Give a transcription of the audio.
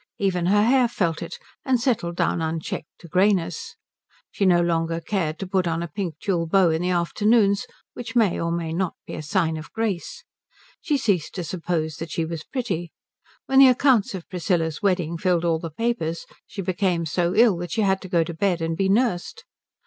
Even her hair felt it, and settled down unchecked to greyness. She no longer cared to put on a pink tulle bow in the afternoons, which may or may not be a sign of grace. She ceased to suppose that she was pretty. When the accounts of Priscilla's wedding filled all the papers she became so ill that she had to go to bed and be nursed.